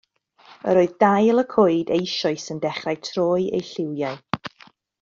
Yr oedd dail y coed eisoes yn dechrau troi eu lliwiau.